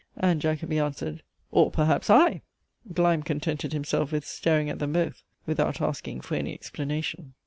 and Jacobi answered, "or perhaps I;" Gleim contented himself with staring at them both, without asking for any explanation.